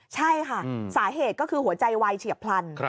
ใช่ค่ะสาเหตุก็คือหัวใจวายเฉียบพลัน